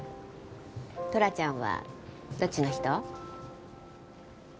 トラちゃんはどっちの人？